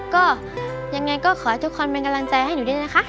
ก็ยังไงก็ขอให้ทุกคนเป็นกำลังใจให้หนูด้วยนะคะ